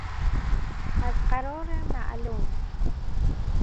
ازقرار معلوم